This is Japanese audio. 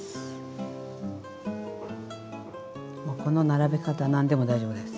もうこの並べ方何でも大丈夫です。